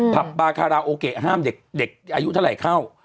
บาคาราโอเกะห้ามเด็กอายุเท่าไหร่เข้า